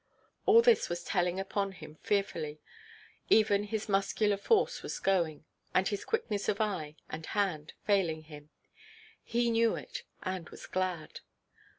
All this was telling upon him fearfully; even his muscular force was going, and his quickness of eye and hand failing him. He knew it, and was glad.